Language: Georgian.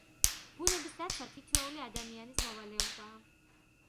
ბუნების დაცვა თითოეული ადამიანის მოვალეობაა.